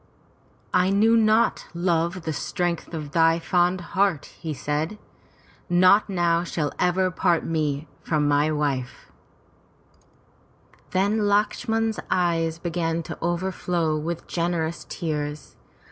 "I knew not, love, the strength of thy fond heart," he said. "Naught now shall ever part me from my wife." 390 FROM THE TOWER WINDOW Then Lakshman's eyes began to overflow with generous tears.